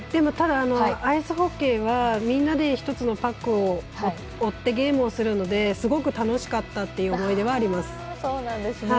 ただ、アイスホッケーはみんなで１つのパックを追ってゲームをするのですごく楽しかったという思い出はあります。